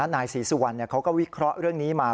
นายศรีสุวรรณเขาก็วิเคราะห์เรื่องนี้มา